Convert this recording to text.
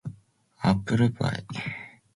アップルパイ